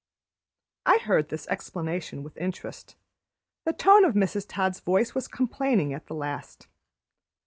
I heard this explanation with interest. The tone of Mrs. Todd's voice was complaining at the last.